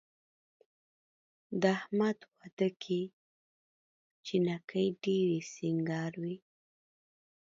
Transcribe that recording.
د احمد واده کې جینکۍ ډېرې سینګار وې.